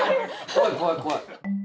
怖い怖い怖い！